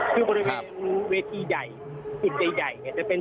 ที่บริเวณเวทีใหญ่ศิษย์ใหญ่จะเป็น